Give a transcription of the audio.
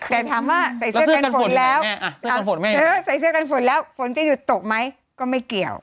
แต่ถามว่าใส่เสื้อกันฝนแล้วใส่เสื้อกันฝนแล้วฝนจะหยุดตกไหมก็ไม่เกี่ยว